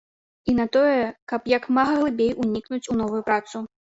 І на тое, каб як мага глыбей унікнуць у новую працу.